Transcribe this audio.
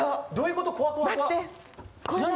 どういうこと？だって。